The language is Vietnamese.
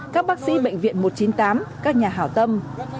các bác sĩ bệnh viện một trăm chín mươi tám các nhà hảo tâm